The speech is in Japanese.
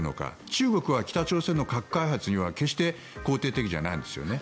中国は北朝鮮の核開発には決して肯定的ではないんですね。